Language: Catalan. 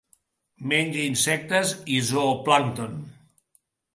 Menja insectes i zooplàncton.